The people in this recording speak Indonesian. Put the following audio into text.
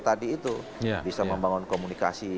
tadi itu bisa membangun komunikasi